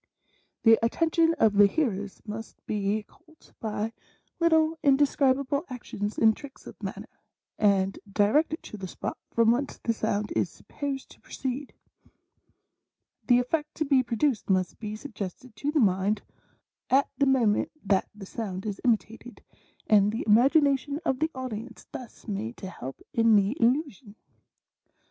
The attention of the hear ers must be caught by little indescribable actions and tricks of manner, and directed to the spot from whence the sound is sup posed to proceed ; the effect to be produced must be suggested to the mind at the moment that the sound is imitated, and the imagination of the audience thus made to help in the illusion.